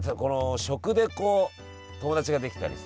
食で友達ができたりさ。